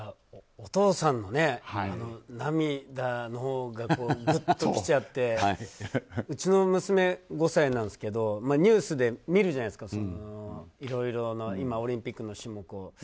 お父さんの涙のほうがぐっときちゃってうちの娘、５歳なんですけどニュースで見るじゃないですかいろいろ、オリンピックの種目を。